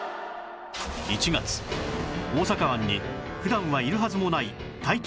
１月大阪湾に普段はいるはずもない体長